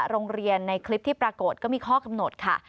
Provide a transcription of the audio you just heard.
โรงเรียนในคลิปที่ปรากฏก็มีข้อกำหนดค่ะ